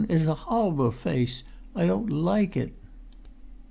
It's a ho'ble face. I don't like it."